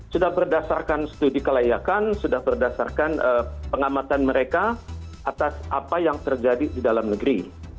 sudah berdasarkan studi kelayakan sudah berdasarkan pengamatan mereka atas apa yang terjadi di dalam negeri